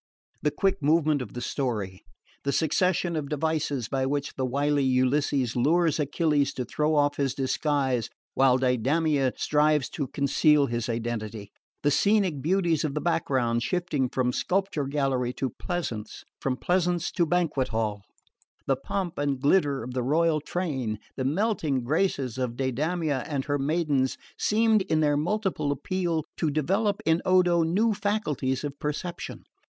The quick movement of the story the succession of devices by which the wily Ulysses lures Achilles to throw off his disguise, while Deidamia strives to conceal his identity; the scenic beauties of the background, shifting from sculpture gallery to pleasance, from pleasance to banquet hall; the pomp and glitter of the royal train, the melting graces of Deidamia and her maidens; seemed, in their multiple appeal, to develop in Odo new faculties of perception.